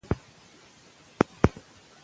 ماشومان باید درس ولولي.